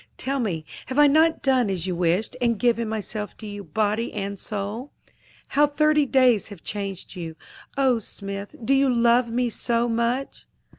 Tell me, have I not done as you wished, and given myself to you, body and soul? How thirty days have changed you! Oh, Smith, do you love me so much?"